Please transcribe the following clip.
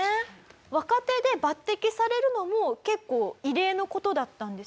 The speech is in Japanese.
若手で抜擢されるのも結構異例の事だったんですよね。